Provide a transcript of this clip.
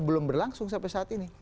belum berlangsung sampai saat ini